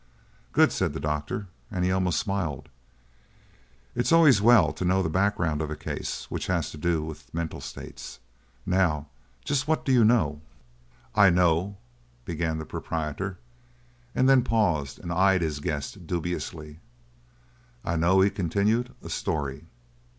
"Good!" said the doctor, and he almost smiled. "It is always well to know the background of a case which has to do with mental states. Now, just what do you know?" "I know " began the proprietor, and then paused and eyed his guest dubiously. "I know," he continued, "a story."